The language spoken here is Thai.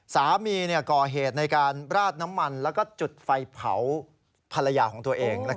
สามีก่อเหตุในการราดน้ำมันแล้วก็จุดไฟเผาภรรยาของตัวเอง